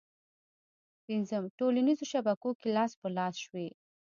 ه ټولنیزو شبکو کې لاس په لاس شوې